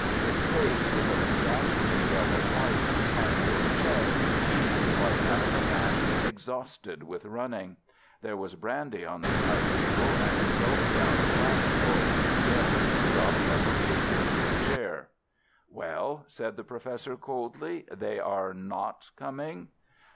His face was of a ghastly yellow white, and his chest heaved like that of a man exhausted with running. There was brandy on the side table, and he gulped down a glassful. Then he dropped heavily into a chair. "Well," said the Professor, coldly, "they are not coming?"